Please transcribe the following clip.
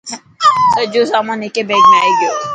سڄو سامان هيڪي بيگ ۾ آي گيو.